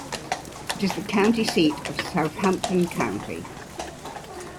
It is the county seat of Southampton County.